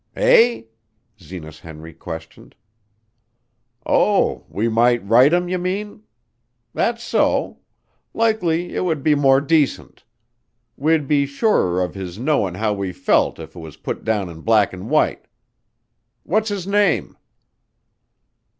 "Eh?" Zenas Henry questioned. "Oh, we might write him, you mean. That's so. Likely it would be more decent. We'd be surer of his knowin' how we felt if 'twas put down in black an' white. What's his name?"